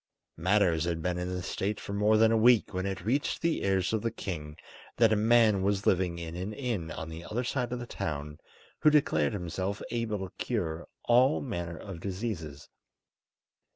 Matters had been in this state for more than a week when it reached the ears of the king that a man was living in an inn on the other side of the town who declared himself able to cure all manner of diseases.